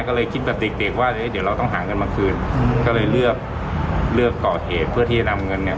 ก็เลยคิดกับเด็กเด็กว่าเดี๋ยวเราต้องหาเงินมาคืนก็เลยเลือกเลือกก่อเหตุเพื่อที่จะนำเงินเนี่ย